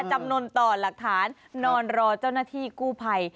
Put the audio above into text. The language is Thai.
จำนวนต่อหลักฐานนอนรอเจ้าหน้าที่กู้ภัย